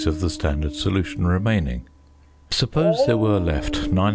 of the standard solution remaining. Suppose there were left 930 c.c.